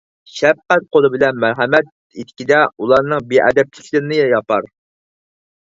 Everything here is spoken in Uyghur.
شەپقەت قولى بىلەن مەرھەمەت ئېتىكىدە ئۇلارنىڭ بىئەدەپلىكلىرىنى ياپار.